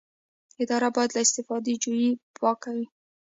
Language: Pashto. اداره باید له استفاده جویۍ پاکه وي.